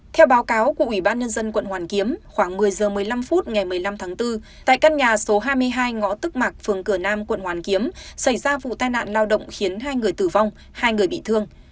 theo báo cáo của ủy ban nhân dân quận hoàn kiếm khoảng một mươi h một mươi năm phút ngày một mươi năm tháng bốn tại căn nhà số hai mươi hai ngõ tức mạc phường cửa nam quận hoàn kiếm xảy ra vụ tai nạn lao động khiến hai người tử vong hai người bị thương